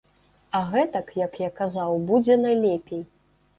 А гэтак, як я казаў, будзе найлепей.